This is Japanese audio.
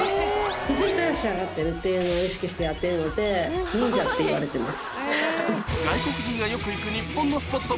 気付いたら仕上がってるっていうのを意識してやってるので「忍者」っていわれてます。